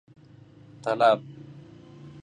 طلب